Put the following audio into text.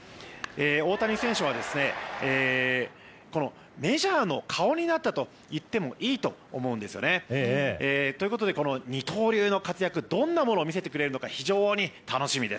大谷選手はメジャーの顔になったと言ってもいいと思うんですよね。ということで二刀流の活躍どんなものを見せてくれるのか。